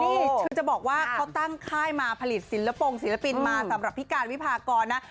นี่คือจะบอกว่าเขาตั้งค่ายมาผลิตศิลปงศิลปินมาสำหรับพี่การวิพากรนะ